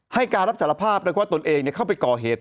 ให้การรับสารภาพว่าตนเองเข้าไปก่อเหตุ